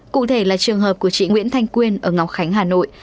cụ thể là trường hợp của chị nguyễn thanh quyên ở ngọc khánh hà nội